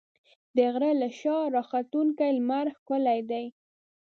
د غره له شا راختونکی لمر ښکلی دی.